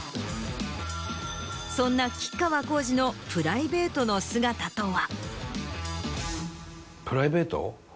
そんな吉川晃司のプライベートの姿とは？